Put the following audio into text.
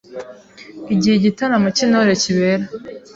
Igihe igitaramo cy’Intore kibera